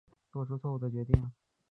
做出错误的决定